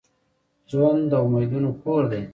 ژوند د امیدونو کور دي.